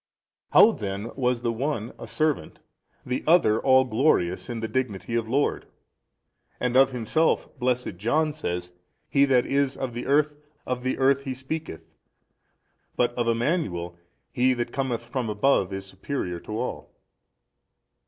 How then was the one a servant, the Other All glorious in the dignity of Lord? And of himself blessed John says, He that is of the earth of the earth he speaketh, but of Emmanuel, He that cometh from above is superior to all.